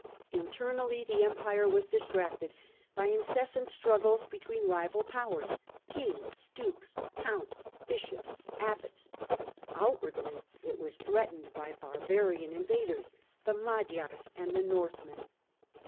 Internally the Empire was dis tracted by incessant struggles between rival powers — kings, dukes, counts, bishops, abbots ; outwardly it was threatened by barbarian invaders, the Magyars and the Northmen.